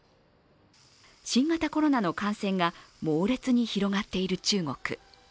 新型コロナの感染が猛烈に広がっている中国。